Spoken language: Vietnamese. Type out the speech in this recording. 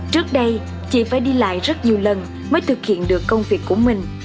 trước đây chị phải đi lại rất nhiều lần mới thực hiện được công việc của mình